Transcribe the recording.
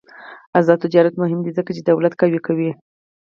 آزاد تجارت مهم دی ځکه چې دولت قوي کوي.